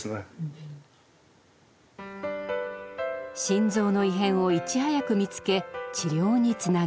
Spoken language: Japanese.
心臓の異変をいち早く見つけ治療につなげる。